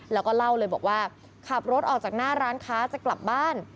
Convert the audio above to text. แล้วก็เล่าเลยบอกว่าขับรถออกจากหน้าร้านค้าจะกลับบ้าน